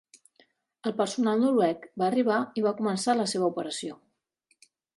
El personal noruec va arribar i va començar la seva operació.